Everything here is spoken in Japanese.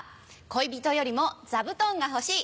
恋人よりも座布団が欲しい。